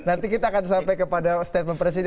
nanti kita akan sampai kepada statement presiden